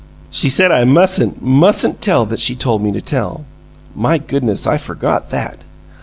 "She said I mustn't, MUSTN'T tell that she told me to tell! My goodness! I forgot that!